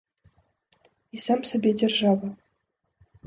І сам сабе дзяржава.